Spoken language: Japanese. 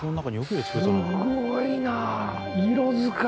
すごいな。